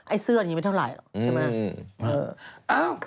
เสื้อนี้ไม่เท่าไหร่หรอกใช่ไหม